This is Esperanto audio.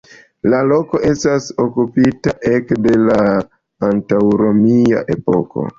La loko estas okupita ekde la antaŭromia epoko.